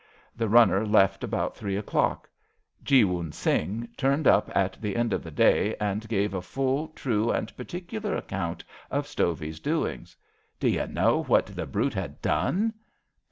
The runner left about three o'clock. Jeewun Singh turned up at the end of the day and gave a full, true and partictilar account of Stovey 's doings. D'yoa know what the brute had done?